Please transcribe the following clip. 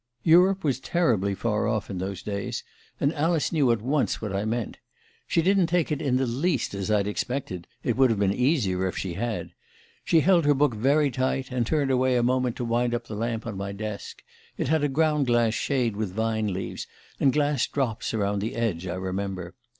"Europe was terribly far off in those days, and Alice knew at once what I meant. She didn't take it in the least as I'd expected it would have been easier if she had. She held her book very tight, and turned away a moment to wind up the lamp on my desk it had a ground glass shade with vine leaves, and glass drops around the edge, I remember.